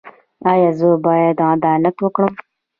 ایا زه باید عدالت وکړم؟